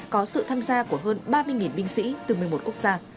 có sự tham gia của hơn ba mươi binh sĩ từ một mươi một quốc gia